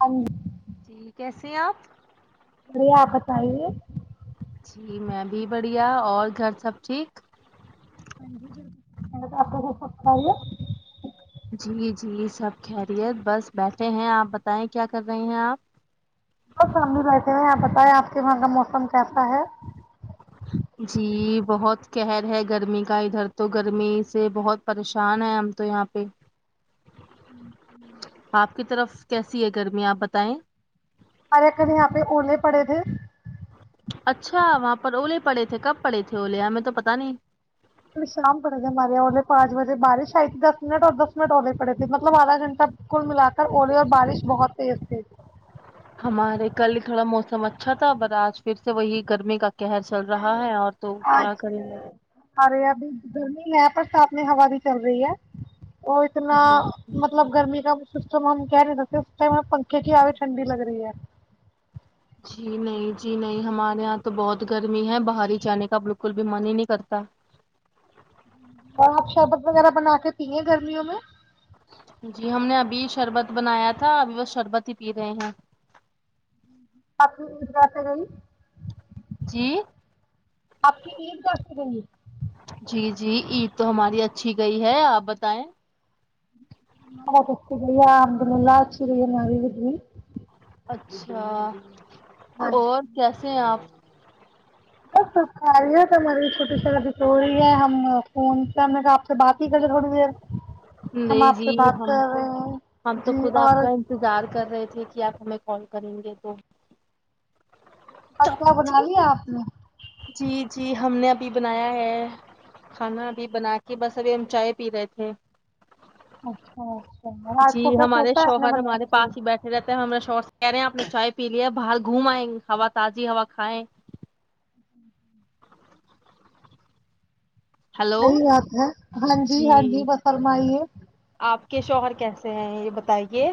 ہ [unintelligible] جی کیسے ہیں آپ بڑھیا آپ بتائیے جی میں بھی بڑھیا اور گھر سب ٹھیک ہ جی بک آپ کا پکا رہ [inaudible] جی جی سب خیریت بس بیٹھے ہیں آپ بتائیں کیا کر رہے ہیں آپ بس ہم بی بیٹھے ہوئے ہیں آپ بتایے اپ کے وہاں کا موسم پیفا ہے [inaudible] جی بہت قہر ہے گرمی کا ادھر تو گرمی سے بہت پریشان ہے ہم تو یہاں پہ ہ ہوں [inaudible] آپ کی طرف کیسی ہے گرمی آپ بتائیں ارے کل یہاں پہ اونے پڑے تھے اچھا وہاں پر اولے پڑے تھے کب پڑے تھے اولے ہمیں تو پتا نہیں پ شام پڑے گ ہمارے اورے پانچ بجے بارش آئی دس منٹ اور دس منٹ ہوے پڑے تھے مطلب آدھا گھنٹہ کل ملا اولی اور بارش بہت تیز تھی ہمارے کل تھوڑا موسم اچھا تھا پر آج پھر سے وہی گرمی کا قہر چل رہا ہے اور تو اا کیا کریں بس ارے ابھی گرمی ہے برسات میں ہوا بھی چل رہی ہے وہ اتنا جی مطلب گرمی کا اس ہم کہہ رہ اس [inaudible] ٹھنڈی لگ رہی ہے جی نہیں جی نہیں ہمارے یہاں تو بہت گرمی ہے باہر ہی جانے کا بالکل بھی من ہی نہیں کرتا اور آپ شربت وغیرہ بنا کے پیے گرمیوں میں جی ہم نے ابھی شربت بنایا تھا ابھی وہ شربت ہی پی رہے ہیں آ اس جاہ سے گئی جی [inaudible] آپ کی عید کر کر رہیں گی [inaudible] جی جی عید تو ہماری اچھی گئی ہے آپ بتائیں [inaudible] اچھا اور بس کیا سے آپ [inaudible] ے تھوڑی دیر ہم نہیں آپ سے جی بات ہم کر تو رہے ہیں جی اور یے کہ آپ ہمیں کال کریں گے تو آج کیا بنا لیا آپ نے جی جی ہم نے بھی بنایا ہے کھانا بھی بنا کے بس ابھی ہم چائے پی رہے تھے اچھا اچھا اور آج کو جی کیا ہمارے سوچا آپ نے شوہر بنانے ہمارے کی پاس ہی بیٹھے رہتے ہیں ہمارے شوہر کہ رہے ہیں آپ نے چائے پی لیا باہر گھوم آئے ہوا تازی ہوا کھائے ہلو یہی بات ہے ہاں جی ہاں جی بس فرمائیے آپ کے شوہر کیسے ہیں یہ بتائیے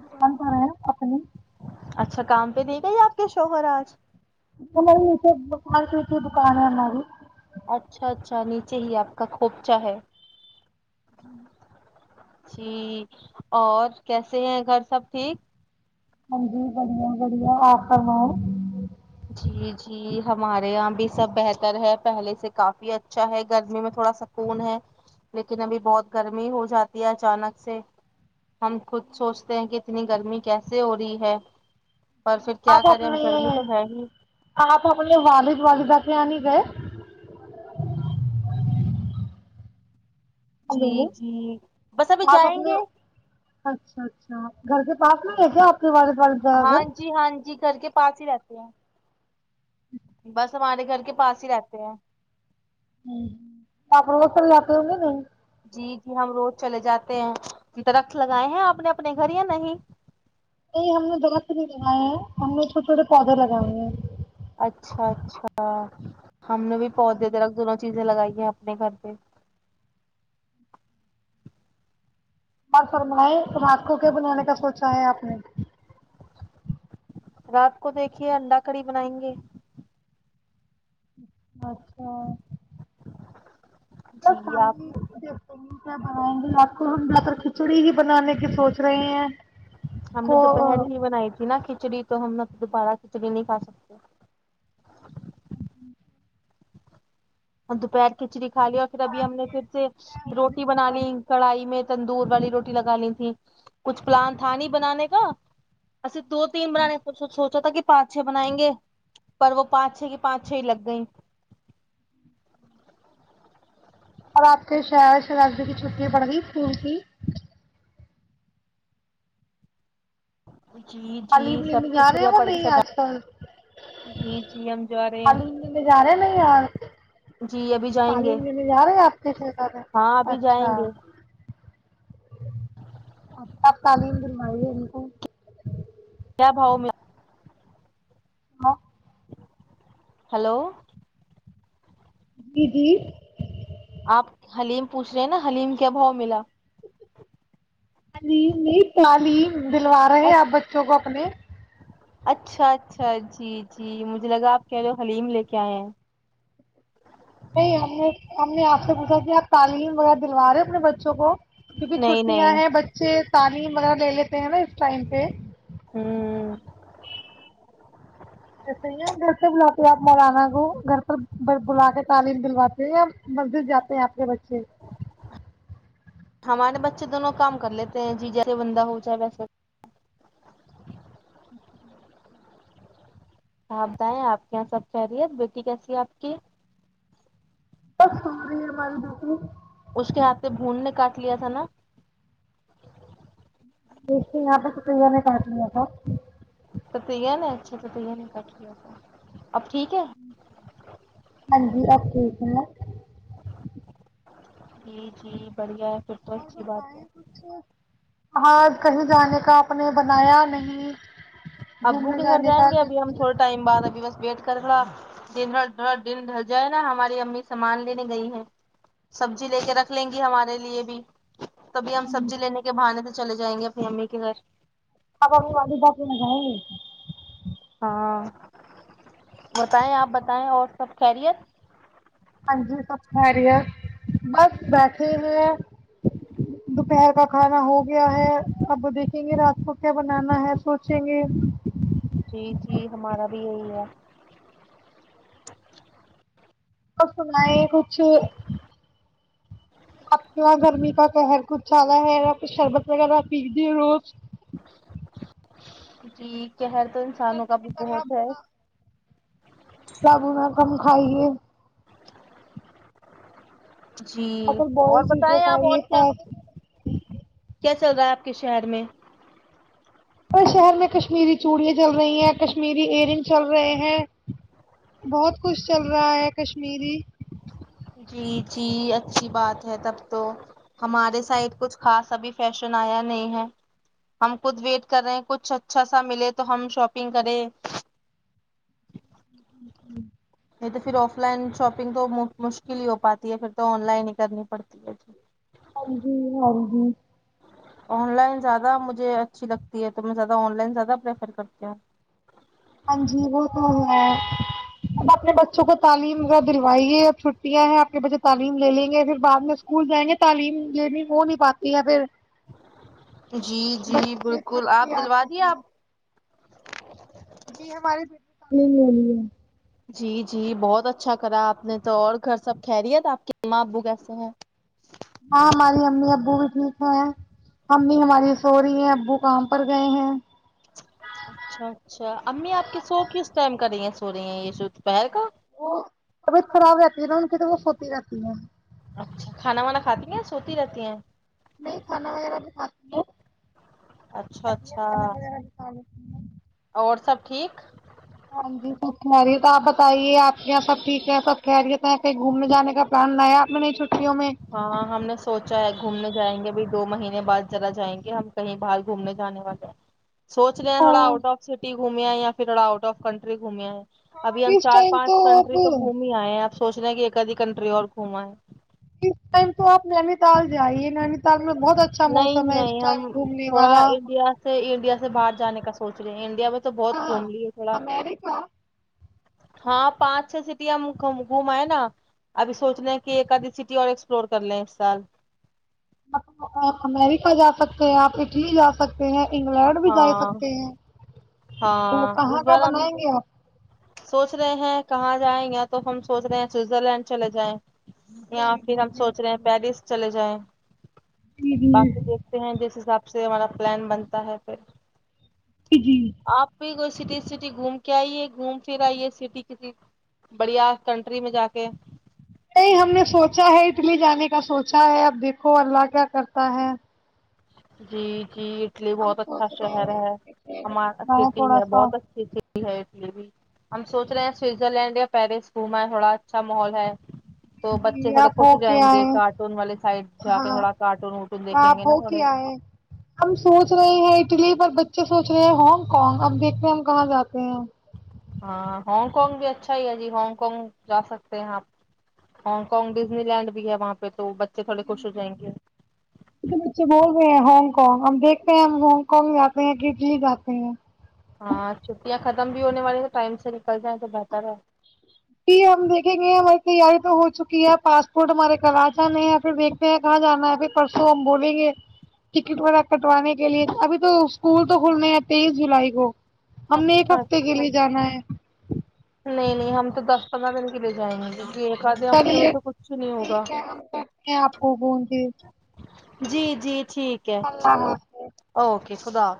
دکان پر آا اپنے اچھا کام پہ دے گا یا آپ کے شوہر آج ہماری اتے مارک کی دکان ہے ہماری اچھا اچھا نیچے ہی آپ کا خوپچا ہے [unintelligible] جی اور کیسے ہیں گھر سب ٹھیک ہاں جی بڑیا بڑیا آپ کرناؤ جی جی ہمارے یہاں بھی سب بہتر ہے پہلے سے کافی اچھا ہے گرمی میں تھوڑا سکون ہے لیکن ابھی بہت گرمی ہو جاتی ہے اچانک سے ہم خود سوچتے ہیں کہ اتنی گرمی کیسے ہو رہی ہے اور پھر کیا آپ کریں ہم اپنے گرمی تو ہے ہی آپ ہمارے والد والدہ سے آنی گئے جی ہلو جی بس ابھی جائیں گے اچ گھر کے پاس میں ہے کیا آپ والال پڑدگ ہاں جی ہاں جی گھر کے پاس ہی رہتے ہیں بس ہمارے گھر کے پاس ہی رہتے ہیں ہ آپ اسل جا کے آی نہیں جی جی ہم روز چلے جاتے ہیں درخت لگائے ہیں آپ نے اپنے گھر یا نہیں نہیں ہم نے درخت نہیں لگائے ہیں ہم نے چھوٹے چھوٹے پودے لگائےئے ہیں اچھا اچھا ہم نے بھی پودے درک دونوں چیز لگائیے اپنے گھر پ اور فرمائے تم آات کو کیا بنانے کا سوچا ہے آپ نے رات کو دیکھیے انڈا کڑی بنائیں گے اچھا جی بس ہم آپ بھی نے دیکھتے ہیں کیا بنائیں گے آپ کو ہم زیاد تر کھچڑی ہی بنانے کی سوچ رہے ہیں ہم نے دوپہر ہی بنائی تھی نا کھچ کھچڑی تو ہم دوبارہ کھچڑی نہیں کھا سکتے اور دوپہر کھچریی کا لیا اور پھر ابھی ہم نے پھر سے روٹی بنا لی کو کڑھائی میں تندور والی روٹی لگا لی تھی کچھ پلان تھا نہیں بنانے کا دو تین برا نے پچھ سوچوا کہ پانچ چھے بنائیں گے پر وہ پانچ چھے کی پانچ چھ ہی لگ گئی اور آپ کے ش شہازی کی چھٹیاں پڑ گئی اسکول کی جی تلیم جی لینے سب کی جا رہے چھٹیاں وہ پڑ گئی نہیں سب آج کل جی جی ہم جا رہے ہیں حلیم لینے جا رہے نہیں ار جی ابھی جائیں گے تعلیم لینے جا رہے آپ کے ہاں ابھی اچھا جائیں گے آپ تالین د م ان کو کیا باووں میں ہاں ہلو جی جی آپ حلیم پوچھ رہے ہیں نا حلیم کیا بھاؤ ملا ہ ج نہیں تالی دلوا رہے ہیں آپ بچوں کو اپنے اچھا اچھا جی جی مجھے لگا آپ کہہ لو حلیم لے کے آئے ہیں نہیں ہم نے ہم نے آپ سے پوچھا کہ آپ تعلیم وغیرہ دلوا رہے اپنے بچوں کو کیونکہ نہیں چھٹیاں نہیں ہیں بچے سارے غیرہ لے لیتے ہیں نا اس ٹائم پہ ہوں ایسے ہی گھر پہ بلاتے ہیں آپ مولانا کو گھر پر بلا کے تعلیم دلواتے یا مزدور جاتے ہیں آپ کے بچے ہمارے بچے دونوں کام کر لیتے ہیں جی جیسے بندہ ہو چاہے ویسے آاں بتائیں آپ کے یہاں سب کہہرییت بیٹی کیسی ہے آپ کی ااں میر بات دک مون نے کاٹلی تھا نا دیکھتے یہاں پہ سپیا نے کاٹ لیا تھا تتیا نے اچھا توتیا نے کٹ ل تھا اب ٹھیک ہے ہاں جی اوکے جی جی بڑھیا ہے پھر تو اور اچھی بات بتائیں ہے کچھ آ کہیں جانے کا اپنے بنایا نہیں ابو گھومنے کے گھر جانے جائیں کا گے اب ہم تھوڑے ہاں ٹائم بعد ابھی بس ویٹ کر دن ر دن ڈھر جائے نا ہماری امی سامان لینے گئی ہے سبزی لے کے رکھ لیں گی ہمارے لیے بھی تبھی ہم جی سبزی لینے کے بہانے تھ چلے جائیں گے اپنی امی کے گھر آب م بات میں ج ہے ہاں بتائیں آپ بتائیں اور سب خیریت ہاں جی سب خہ رہی ہے بس بیٹھے ہو ہیں دوپہر کا کھانا ہو گیا ہے اب دیکھیں گے رات کو کیا بنانا ہے سوچیں گے جی جی ہمارا بھی یہی ہے کس ل ہے کچ انا گرمی کا پہر کچھ زدا ہے کچھ شربت وغیرہ پی د روز جی قہر تو انسانوں کا بھی تلا بہت ہے بھنا ساب میں کم آئیے جی مطلب اور بوائل چیزیں بتائ آپ اور کھائیے کیا فاسٹ۔ کیا چل رہا ہے آپ کے شہر میں اور شہر میں کشمیری چوڑیاں چل رہی ہیں کشمیری ایرنگ چل رہے ہیں بہت کچھ چل کا ہے کشمیری جی جی اچھی بات ہے تب تو ہمارے سائڈ کچھ خاص ابھی فیشن آیا نہیں ہے ہم خود ویٹ کر رہے کچھ اچھا سا ملے تو ہم شاپنگ کرے ہوں [unintelligible] نہیں تو پھر آف لائن شاپنگ تو مشکل ہی ہو پاتی ہے پھر تو آن لائن ہی کرنی پڑتی ہے ج ہاں جی ہاں ہاں آن لائن زیادہ مجھے اچھی لگتی ہے تو میں زیادہ آن لائن زیادہ پریفر کرتی ہ ہاں جی وہ تو ہے اب اپنے بچوں کو تعلیم کا دلوائیے اب چھٹیاں ہیں آپ کے بچے تعلیم لے لیں گے پھر بعد میں اسکول جائیں گے تعلیم یہی ہو نہیں پاتی پھر جی جی بچے تھک بالکل آپ کے دلوا آتے دیے ہیں آپ جی ہمارے پیٹ کانی ہو رہی ہے جی جی بہت اچھا کرا آپ نے تو اور گھر سب کھہریا تھا آپ کے ااں ابو کیسے ہیں ہاں ہماری امی ابو بھی ٹھیک ہیں امی ہماری سو رہی ہے ابو کام پر گئے ہیں اچھا اچھا امی آپ کے سو کی اس ٹائم کر رہی ہیں سو رہی ہیں یہ جو دوپہر کا وہ طبیعت خراب رہتی ہے نا ان تو وہ ہووتی رہتی ہے اچھا کھانا وانا کھاتی ہیں سوتی رہتی ہیں نہیں کھانا وغیرہ بھی کھاتی ہے اچھا ا اچھا پرما وغیرہ دکھان [unintelligible] اور سب ٹھیک ہاں جی سب کہرییت آپ بتائیے آپ کے یہاں سب ٹھیک ہیں سب خہرییت ہیں کہیں گھومنے جانے کا پلان لیا آپ نے نہیں چ ہاںاں ہم نے سوچا ہے گھومنے جائیں گے ابھی دو مہینے بعد ذرا جائیں گے ہم کہیں باہر گھومنے جانے والے ہیں سوچے تھوڑا ہاں آؤٹ آف سٹی گھومیا ہے یا پھر آؤٹ آف کنٹری گھومیا ہے ابھی ہم اس چار ٹائم پانچ تو آپ کنٹری تو گھوم ہی آئے ہیں ا سوچنا کہ ایک ادھی کنٹری اور گھما ہے اس ٹائم تو آپ نینی تال جائیے نینی تال میں بہت اچھا نہیں موسم ہے اس نہیں ہم ٹائم گھومنے تھوڑا والا انڈیا سے انڈیا سے باہر جانے سوچ رہے انڈیا تو بہت ہاں گھوم لیے تھوڑا امیریکا ہاں پانچ چھ سٹی ہم گھمائیں نا ابھی سوچ لیں کہ ایک آدھی سٹی اور ایکسپلور کر لیں اس سال آپ امیریکا جا سکتے ہیں آپ اٹلی جا سکتے ستے ہیں انگلینڈ بھی جا ہاں سکتے ہیں تو ہاں اس کہاں کہاں بار ہم بنائیں گے آپ سوچ رہے ہیں کہاں جائیں یا تو ہم سوچ رہے ہیں سوئزر لینڈ چلے جائیں یااں پھر ہم سوچ رہے ہیں پیرس چلے جائیں باقی جی دیکھتے ہیں جس حساب سے سے ہمارا پلان بنتا ہے پھر جی آپ بھی کوئی سٹی سٹی گھوم کیائی یہ گھوم پھر آئیے سٹی کسی بڑھیا کنٹری میں جا کے نہیں ہم نے سوچا ہے اٹلی جانے کا سوچا ہے اب دیکھو اللہ کیا کرتا ہے جی کی اٹلی ہم بہت اچھا سوچ رہے شہر ہے ہیں ہمارا سٹی تھوڑا ہے سا بہت اچھی لیے بھی ہم سوچ رہے ہیں سوئٹزرلینڈ یا پیرس گھوما ہے تھوڑا اچھا ماحول ہے تو بچے جی تھوڑے آپ خوش ہو جائیں کے گے آئے کارٹون والے سائڈ جا کے ہاں تھوڑا کارٹون وٹون دیکھیں آپ گے نا ہو کے تھوڑے آئے ہم سوچ رہے ہیں اٹلی پر ب اچے سوچ رہے ہیں ہانگ کانگ اب دیکھتے ہیں ہم کہاں جاتے ہیں ہاں ہانگ کانگ بھی اچھا ہی ہے جی ہانگ کانگ جا سکتے ہیں آپ ہانگ کانگ ڈزنی لینڈ بھی ہے وہاں پہ تو بچے تھوڑے خوش ہو جائیں گے انے بچے بول رہے ہیں ہانگ کانگ ہم دیکھتے ہیں ہم ہانگ کانگ جاتے ہیں کہٹلی جاتے ہیں ہاں چھٹیاں ختم بھی ہونے والی ہیں تو ٹائم سے نکل جائیں تو بہتر ہے پ ہم دیکھیں گے ہم یار تو ہو چکی ہے پاسپورٹ ہمارے کل آ جانے ہیں پھر دیکھتے ہیں کہاں جانا ہے پھر پرسوں ہم بولیں گے ٹکٹ وغیرہ کٹوانے کے لیے ابھی تو اسکول تو کھلنے ہیں تیئیس جولائی کو ہم نے ایک اچھا ہفتے کے اچھا لیے جانا ہے نہیں نہیں ہم تو دس پ دن کے جائیں گے یہ ایک آدے ہفتے میں چلیے تو کچھ نہیں ہوگا ٹھیک ہے ہم کرتے ہیں آپ کو فون پھر جی جی ٹھیک ہے اللہ حافظ اوکے اقدار